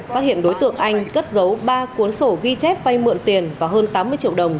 phát hiện đối tượng anh cất giấu ba cuốn sổ ghi chép vay mượn tiền và hơn tám mươi triệu đồng